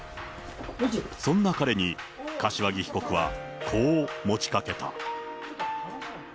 そんな彼に、柏木被告はこう持ちかけた。